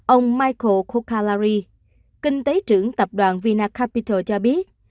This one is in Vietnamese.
ông michael kokalari kinh tế trưởng tập đoàn vinacapital cho biết